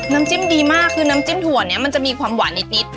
น้ำจิ้มดีมากคือน้ำจิ้มถั่วนี้มันจะมีความหวานนิด